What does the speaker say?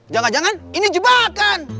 jangan jangan ini jebakan